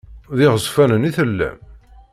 D iɣezfanen i tellam?